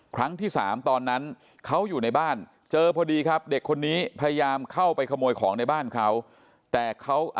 ครั้งที่สามตอนนั้นเขาอยู่ในบ้านเจอพอดีครับเด็กคนนี้พยายามเข้าไปขโมยของในบ้านเขาแต่เขา